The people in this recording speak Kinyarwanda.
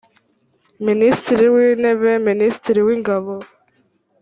minisitiri w intebe minisitiri w ingabo